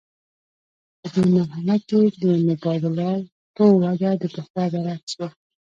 په دې مرحله کې د مبادلاتو وده د پخوا برعکس وه